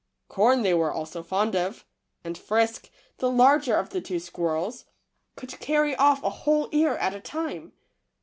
Corn they were also fond of, and Frisk, the larger of the two squirrels, could carry off a whole ear at a time.